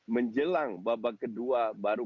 menjelang babak kedua baru